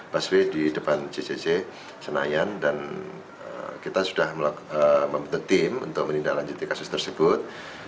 busway di depan ccc senayan dan kita sudah membentuk tim untuk menindaklanjuti kasus tersebut